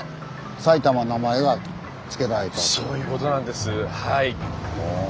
そういうことなんですはい。